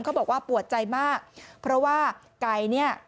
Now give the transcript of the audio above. เขาบอกว่าปวดใจมากเพราะว่าไก่เนี่ย